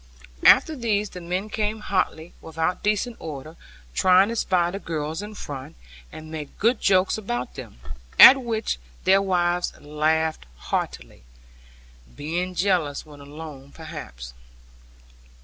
After these the men came hotly, without decent order, trying to spy the girls in front, and make good jokes about them, at which their wives laughed heartily, being jealous when alone perhaps.